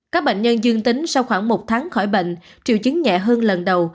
các bệnh nhân dương tính sau khoảng một tháng khỏi bệnh triệu chứng nhẹ hơn lần đầu